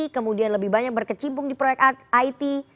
kemudian lebih banyak berkecimpung di proyek it